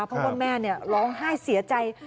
เพราะว่าแม่ร้องไห้เสียใจ